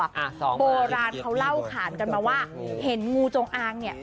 อ่าโบราณเขาเล่าขานกันมาว่าเห็นงูจงอางเนี่ย